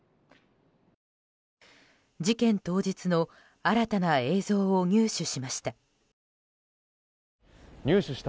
事件当日の新たな映像を入手しました。